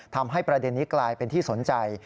ทำให้ประเด็นนี้กลายเป็นที่สนใจ